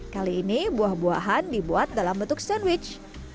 kali ini buah buahan dibuat dalam bentuk sandwich